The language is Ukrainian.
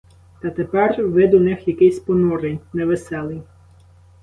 Та тепер вид у них якийсь понурий, невеселий.